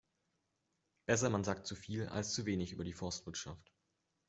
Besser man sagt zu viel als zu wenig über die Forstwirtschaft.